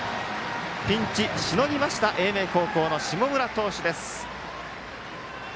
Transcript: ピンチしのぎました英明高校の下村投手。